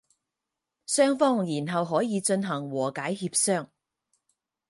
双方然后可以进行和解协商。